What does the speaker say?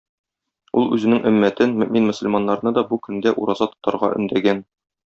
Ул үзенең өммәтен, мөэмин-мөселманнарны да бу көндә ураза тотарга өндәгән.